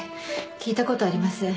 聞いたことありません。